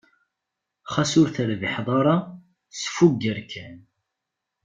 Xas ur terbiḥeḍ ara, sfugger kan.